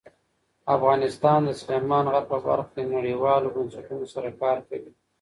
افغانستان د سلیمان غر په برخه کې نړیوالو بنسټونو سره کار کوي.